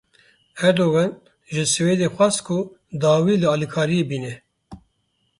Erdogan ji Swêdê xwast ku dawî li alîkariyê bîne.